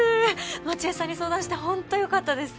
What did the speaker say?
街絵さんに相談してホントよかったです。